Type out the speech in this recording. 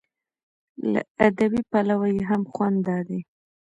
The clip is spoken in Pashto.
له ادبي پلوه یې هم خوند دا دی.